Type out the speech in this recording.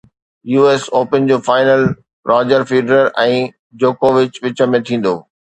U S Open جو final Roger Federer ۽ جوڪووچ وچ ۾ ٿيندو